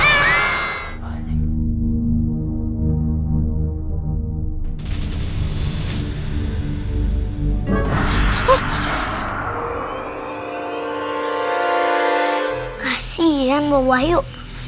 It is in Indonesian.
masih hiyan bawa bawa yuk